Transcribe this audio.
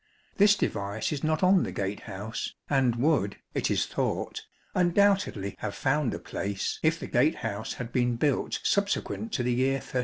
This device is not on the gate house, and would, it is thought, undoubtedly have found a place if the gate house had been built subsequent to the year 1330.